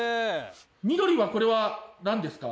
緑はこれは何ですか？